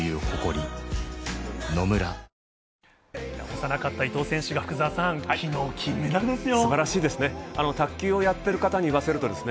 幼かった伊藤選手が昨日金メダルですよ。